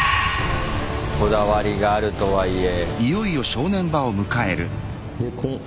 こだわりがあるとはいえ。